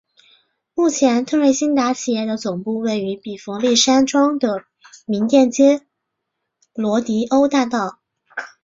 目前特瑞新达企业的总部位于比佛利山庄的名店街罗迪欧大道。